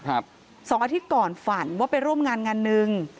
สองอาทิตย์ก่อนฝันว่าไปร่วมงานงานหนึ่ง